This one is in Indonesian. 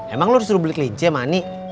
emang lu disuruh beli kelinci sama ani